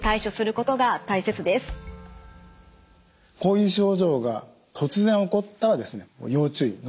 こういう症状が突然起こったら要注意。